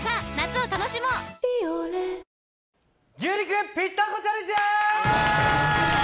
「ビオレ」牛肉ぴったんこチャレンジ！